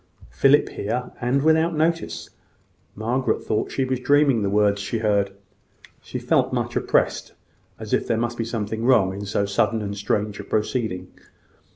Philip here, and without notice! Margaret thought she was dreaming the words she heard. She felt much oppressed as if there must be something wrong in so sudden and strange a proceeding.